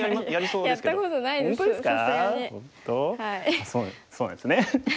そうなんですね。